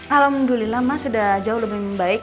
alhamdulillah mas sudah jauh lebih membaik